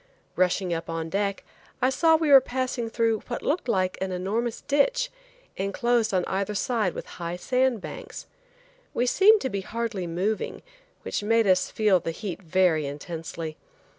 Rushing up on deck, I saw we were passing through what looked like an enormous ditch, enclosed on either side with high sand banks. We seemed to be hardly moving, which made us feel the heat very intensely.